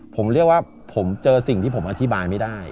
ผมเรียกว่าผมเจอสิ่งที่ผมอธิบายไม่ได้